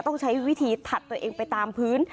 ต้องใช้วิธีถัดตัวเองไปตามพื้น